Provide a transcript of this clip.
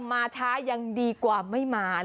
มาช้ายังดีกว่าไม่มา